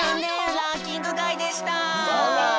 ランキングがいでした！